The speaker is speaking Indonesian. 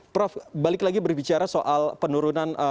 prof balik lagi berbicara soal penurunan